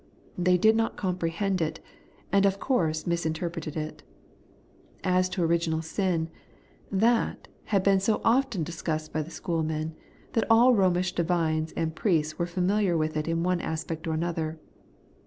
They did not comprehend it, and of course misrepresented it. As to original sin, that had been so often discussed by the schoolmen, that all Eomish divines and priests were familiar with it in one aspect or another.